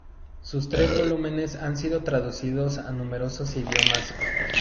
Sus tres volúmenes han sido traducidos a numerosos idiomas.